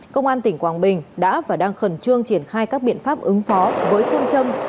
công an tỉnh quảng bình đã và đang khẩn trương triển khai các biện pháp ứng phó với phương châm